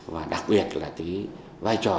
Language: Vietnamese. và đặc biệt là cái vai trò